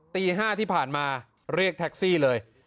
ตี๕ที่ผ่านมาเรียกแท็กซี่เลย